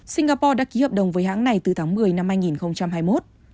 singapore đã ký hợp đồng với hãng này từ tháng một mươi năm hai nghìn hai mươi một